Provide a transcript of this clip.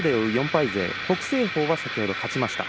４敗勢北青鵬は先ほど勝ちました。